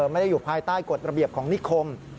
ไม่ได้อยู่ภายใต้กฎระเบียบของนิคม